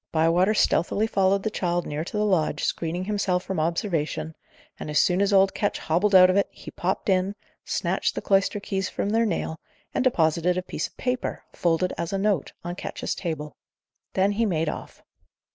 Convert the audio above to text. Bywater stealthily followed the child near to the lodge, screening himself from observation; and, as soon as old Ketch hobbled out of it, he popped in, snatched the cloister keys from their nail, and deposited a piece of paper, folded as a note, on Ketch's table. Then he made off.